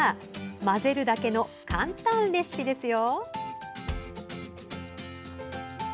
混ぜるだけの簡単レシピですよ。